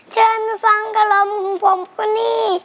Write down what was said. เชิญไปฟังกะลมของผมคนนี้